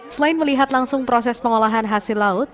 selain melihat langsung proses pengolahan hasil laut